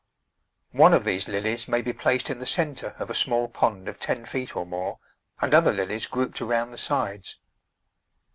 One of these Lilies may be placed in the centre of a small pond of ten feet or more, and other Lilies grouped around the sides.